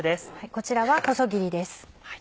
こちらは細切りです。